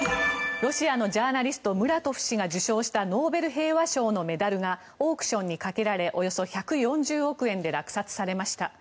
ロシアのジャーナリストムラトフ氏が受賞したノーベル平和賞のメダルがオークションにかけられおよそ１４０億円で落札されました。